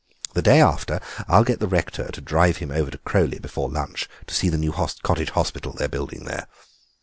The day after I'll get the rector to drive him over to Crowleigh before lunch, to see the new cottage hospital they're building there.